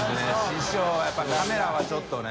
やっぱりカメラはちょっとね。